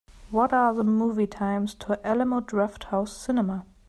What are the movie times at Alamo Drafthouse Cinema